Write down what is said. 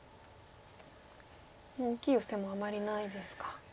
もう大きいヨセもあまりないですか。